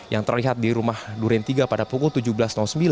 yang terlihat di rumah duren tiga pada pukul tujuh belas sembilan